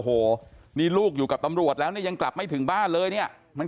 โอ้โหนี่ลูกอยู่กับตำรวจแล้วเนี่ยยังกลับไม่ถึงบ้านเลยเนี่ยมัน